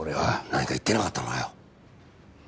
何か言ってなかったのかよ？